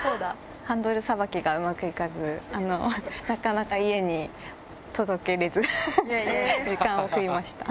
ハンドルさばきがうまくいかず、なかなか家に届けれず、時間を食いました。